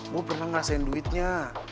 gue pernah ngerasain duitnya